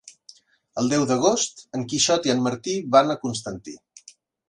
El deu d'agost en Quixot i en Martí van a Constantí.